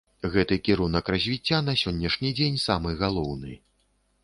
Гэты кірунак развіцця на сённяшні дзень самы галоўны.